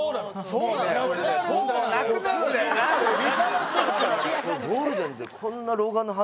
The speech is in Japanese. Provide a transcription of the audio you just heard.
そうなの！